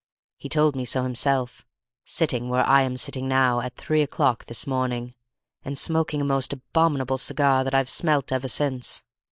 He told me so himself, sitting where I am sitting now, at three o'clock this morning, and smoking a most abominable cigar that I've smelt ever since.